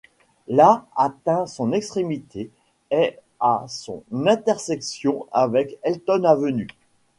La atteint son extrémité est à son intersection avec Elton Avenue.